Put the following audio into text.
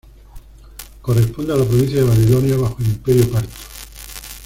Corresponde a la provincia de Babilonia bajo el Imperio parto.